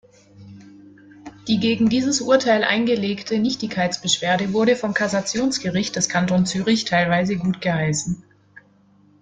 Die gegen dieses Urteil eingelegte Nichtigkeitsbeschwerde wurde vom Kassationsgericht des Kantons Zürich teilweise gutgeheißen.